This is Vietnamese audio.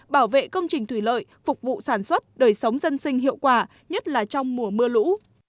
bảo vệ công trình thủy lợi phục vụ sản xuất đời sống dân sinh hiệu quả nhất là trong mùa mưa lũ